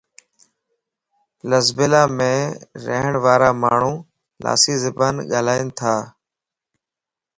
لسبيلا مَ رھڻ وارا ماڻھو لاسي زبان ڳالھائينتا